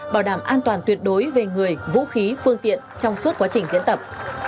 bảo đảm an toàn tuyệt đối về người vũ khí phương tiện trong suốt quá trình diễn tập